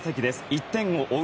１点を追う